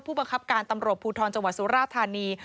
ผู้บังคับการตำรวจภูทรจังหวัดสุราธานี